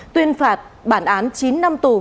tuyên phạt bản án chín năm tù